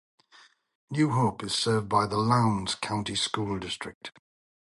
New Hope is served by the Lowndes County School District.